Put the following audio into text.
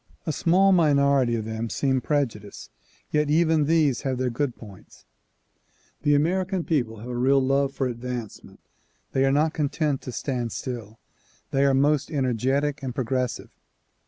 A small minority of them seem prejudiced, yet even these have their good points. The American people have a real love for advancement. They are not content to stand still. They are most energetic and progressive.